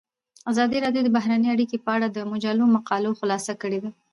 ازادي راډیو د بهرنۍ اړیکې په اړه د مجلو مقالو خلاصه کړې.